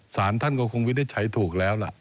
สารท่านกับคุณวิทย์ได้ใช้ถูกแล้วล่ะ